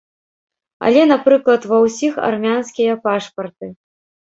Але, напрыклад, ва ўсіх армянскія пашпарты.